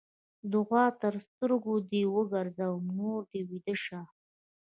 دوعا؛ تر سترګو دې وګرځم؛ نور ويده شه.